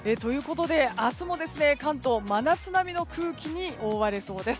明日も関東、真夏並みの空気に覆われそうです。